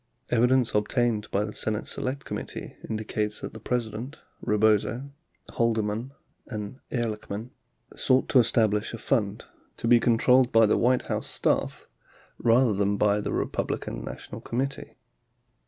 33 Evidence obtained by the Senate Select Com mittee indicates that the President, Rebozo, Haldeman, and Ehrlich man sought to establish a fund to be controlled by the White House staff rather than by the Republican National Committee.